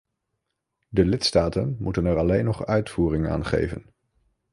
De lidstaten moeten er alleen nog uitvoering aan geven.